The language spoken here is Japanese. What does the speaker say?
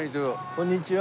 こんにちは。